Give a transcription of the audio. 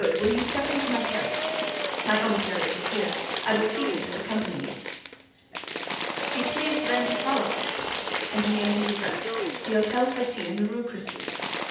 Will you step into my carriage?" "My own carriage is here: I will seek it, and accompany you." "Be pleased, then, to follow us." And he named his address: "The Hôtel Crécy, in the Rue Crécy."